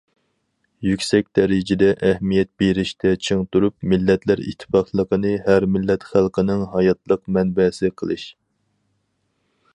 يۈكسەك دەرىجىدە ئەھمىيەت بېرىشتە چىڭ تۇرۇپ، مىللەتلەر ئىتتىپاقلىقىنى ھەر مىللەت خەلقىنىڭ ھاياتلىق مەنبەسى قىلىش.